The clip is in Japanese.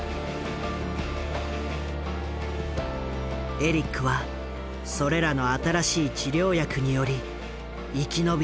エリックはそれらの新しい治療薬により生き延びた。